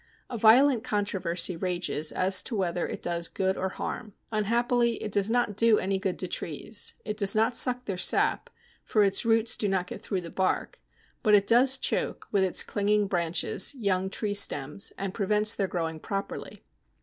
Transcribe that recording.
A violent controversy rages as to whether it does good or harm. Unhappily it does not do any good to trees. It does not suck their sap, for its roots do not get through the bark, but it does choke, with its clinging branches, young tree stems, and prevents their growing properly.